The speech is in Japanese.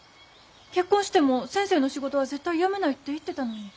結婚しても先生の仕事は絶対辞めないって言ってたのに。